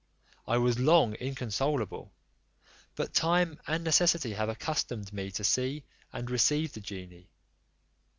I was long inconsolable, but time and necessity have accustomed me to see and receive the genie.